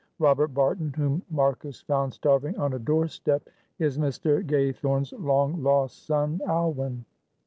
Robert Barton, whom Marcus found starving on a doorstep, is Mr. Gaythorne's long lost son, Alwyn."